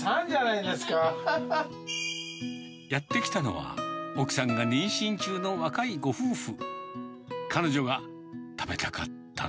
やって来たのは、奥さんが妊娠中の若いご夫婦。